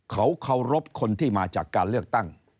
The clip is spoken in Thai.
เขาเคารพคนที่มาจากการเลือกตั้ง